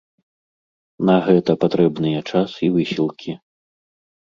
На гэта патрэбныя час і высілкі.